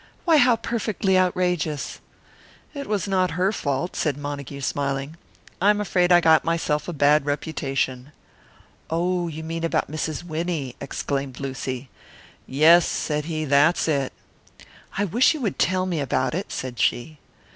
"Why, how perfectly outrageous!" "It was not her fault," said Montague, smiling; "I am afraid I got myself a bad reputation." "Oh, you mean about Mrs. Winnie!" exclaimed Lucy. "Yes," said he, "that's it." "I wish you would tell me about it," said she.